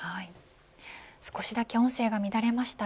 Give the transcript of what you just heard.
少しだけ音声が乱れました。